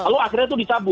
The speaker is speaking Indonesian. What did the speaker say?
lalu akhirnya itu dicabut